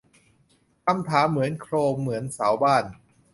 คำถามเหมือนโครงเหมือนเสาบ้าน